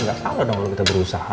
gak salah dong kalo kita berusaha